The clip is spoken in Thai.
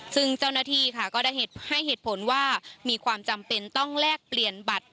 ซึ่งเจ้าหน้าที่ค่ะก็ได้ให้เหตุผลว่ามีความจำเป็นต้องแลกเปลี่ยนบัตร